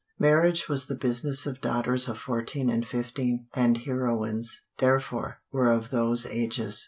Marriage was the business of daughters of fourteen and fifteen, and heroines, therefore, were of those ages.